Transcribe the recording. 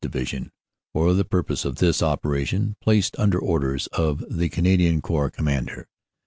Divi sion, for the purpose of this operation placed under orders of the Canadian Corps Commander.